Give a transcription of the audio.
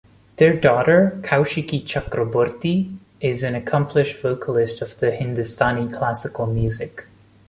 Their daughter, Kaushiki Chakraborty is an accomplished vocalist of Hindustani classical music.